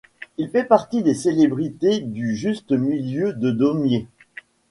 Il fait partie des Célébrités du Juste Milieu de Daumier.